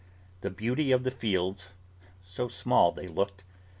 The beauty of the fields (so small they looked!)